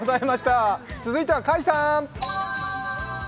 続いては甲斐さん！